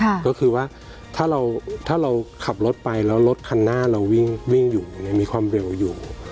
ก็คือว่าถ้าเราถ้าเราขับรถไปแล้วรถคันหน้าเราวิ่งวิ่งอยู่เนี่ยมีความเร็วอยู่